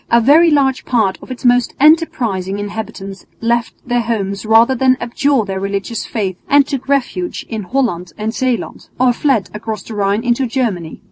A very large part of its most enterprising inhabitants left their homes rather than abjure their religious faith and took refuge in Holland and Zeeland, or fled across the Rhine into Germany.